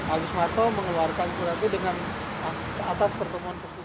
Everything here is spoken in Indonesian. agus martowadoyo mengeluarkan surat itu dengan atas pertemuan